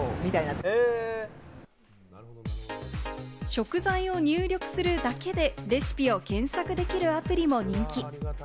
食材を入力するだけでレシピを検索できるアプリも人気。